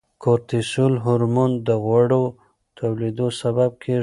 کورتیسول هورمون د غوړو ټولېدو سبب کیږي.